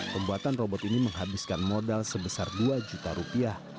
pembuatan robot ini menghabiskan modal sebesar dua juta rupiah